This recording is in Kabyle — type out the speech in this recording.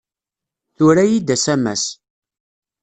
Tura-iyi-d asamas.